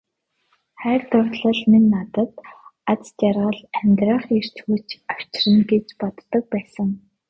Хайр дурлал минь надад аз жаргал, амьдрах эрч хүч авчирна гэж боддог байсан.